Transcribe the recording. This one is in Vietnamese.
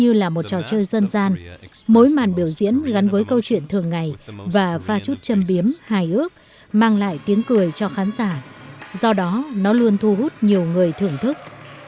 như là một trò chơi dân gian mỗi màn biểu diễn gắn với câu chuyện thường ngày và pha chút châm biếm hài ước mang lại tiếng cười cho khán giả do đó nó luôn thu hút nhiều người thưởng thức